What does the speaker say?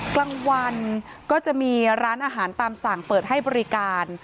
กลางวันก็จะมีร้านอาหารตามสั่งเปิดให้บริการ